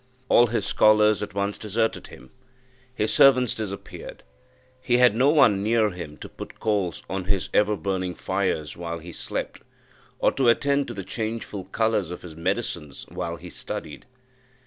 All his scholars at once deserted him his servants disappeared. He had no one near him to put coals on his ever burning fires while he slept, or to attend to the changeful colours of his medicines while he studied.